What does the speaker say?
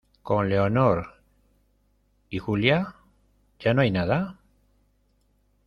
con Leonor. ¿ y Julia? ¿ ya no hay nada ?